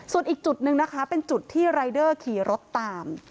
ส่วนอีกจุดนึงนะคะเป็นจุดที่รายเดอร์ขี่รถตาม